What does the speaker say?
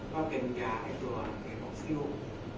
ก็เป็นยาไอ้ตัวแกรอซิล